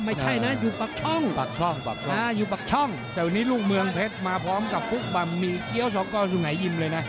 อ่าอยู่บักช่องแต่วันนี้ลูกเมืองเพชรมาพร้อมกับฟุ๊กบำมีเกี๊ยวสกสุงหายยิมเลยนะ